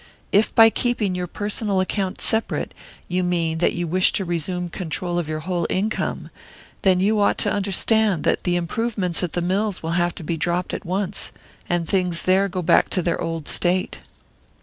If by keeping your personal account separate, you mean that you wish to resume control of your whole income, then you ought to understand that the improvements at the mills will have to be dropped at once, and things there go back to their old state."